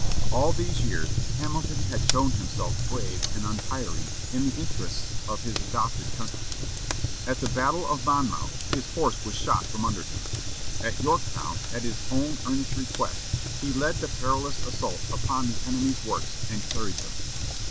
All these years, Hamilton had shown himself brave and untiring in the interests of his adopted country. At the battle of Monmouth, his horse was shot under him. At Yorktown, at his own earnest request, he led the perilous assault upon the enemy's works, and carried them.